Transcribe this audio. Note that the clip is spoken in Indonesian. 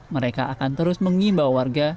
mereka akan terus mengimbau warga